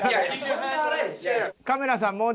カメラさん